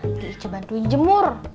nanti icet bantuin jemur